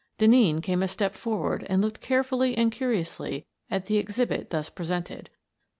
Denneen came a step forward and looked carefully and curiously at the exhibit thus presented.